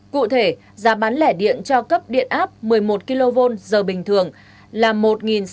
cụ thể giá bán lẻ điện cho cấp điện áp một mươi một kv giờ bình thường là một sáu trăm bốn mươi chín đồng một kwh